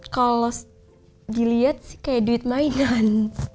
kalau dilihat sih kayak duit mainan